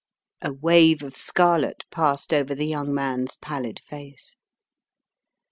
A wave of scarlet passed over the young man's pallid face.